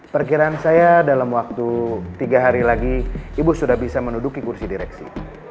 perkiraan saya dalam waktu tiga hari lagi ibu sudah bisa menuduki kursi direksi